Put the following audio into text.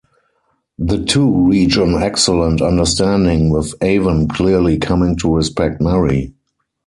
The two reach an excellent understanding, with Avon clearly coming to respect Mary.